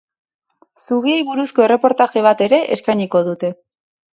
Zubiei buruzko erreportaje bat ere eskainiko dute.